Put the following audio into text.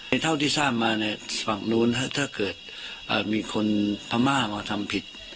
ในเท่าที่สร้างมาในฝั่งโน้นถ้าเกิดมีคนพม่ามาทำผิด